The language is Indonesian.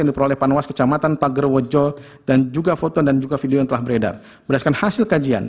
yang diperoleh panwas kecamatan pagerowojo dan juga foto dan juga video yang telah beredar berdasarkan hasil kajian